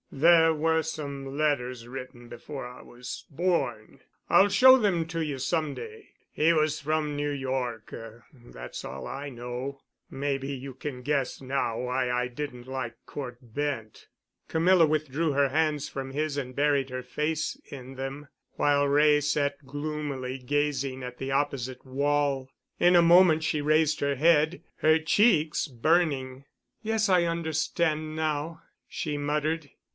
"There were some letters written before I was born. I'll show them to you some day. He was from New York, that's all I know. Maybe you can guess now why I didn't like Cort Bent." Camilla withdrew her hands from his and buried her face in them, while Wray sat gloomily gazing at the opposite wall. In a moment she raised her head, her cheeks burning. "Yes, I understand now," she muttered.